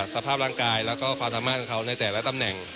สภาพร่างกายแล้วก็พลันทมนต์เขาในแต่ละตำแหน่ง